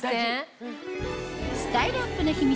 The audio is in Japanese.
スタイルアップの秘密